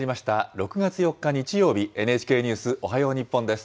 ６月４日日曜日、ＮＨＫニュースおはよう日本です。